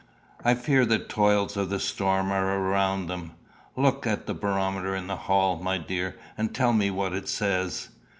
I fear the toils of the storm are around them. Look at the barometer in the hall, my dear, and tell me what it says."